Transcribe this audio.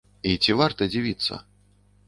І ці варта дзівіцца?